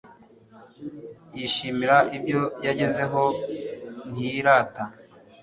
yishimira ibyo yagezeho ntiyirata